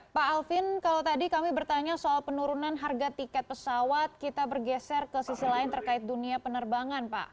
pak alvin kalau tadi kami bertanya soal penurunan harga tiket pesawat kita bergeser ke sisi lain terkait dunia penerbangan pak